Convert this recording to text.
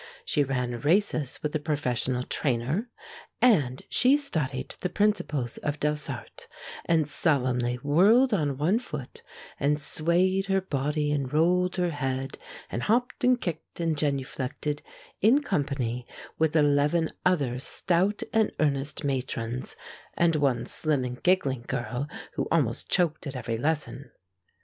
She ran races with a professional trainer, and she studied the principles of Delsarte, and solemnly whirled on one foot and swayed her body and rolled her head and hopped and kicked and genuflected in company with eleven other stout and earnest matrons and one slim and giggling girl who almost choked at every lesson.